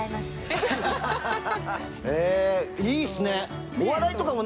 へえいいっすね。